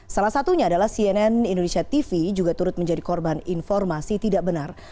salah satunya adalah cnn indonesia tv juga turut menjadi korban informasi tidak benar